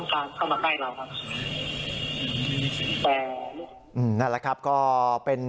นั่นแหละครับก็เป็น